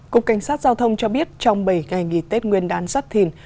cục cảnh sát giao thông cho biết trong bảy ngày nghỉ tết nguyên đán giáp thìn